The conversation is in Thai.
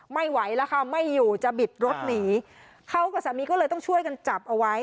ไม่ไหวแล้วค่ะไม่อยู่จะบิดรถหนีเขากับสามีก็เลยต้องช่วยกันจับเอาไว้